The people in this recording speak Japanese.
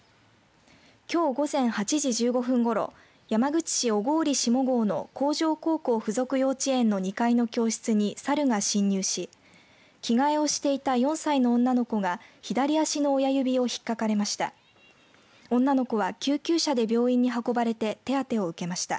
きょう午前８時１５分ごろ山口市小郡下郷の鴻城高校附属幼稚園の２階の教室にサルが侵入し着替えをしていた４歳の女の子が左足の親指を引っかかれました。